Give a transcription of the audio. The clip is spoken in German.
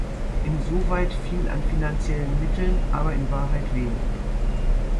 Insoweit viel an finanziellen Mitteln, aber in Wahrheit wenig.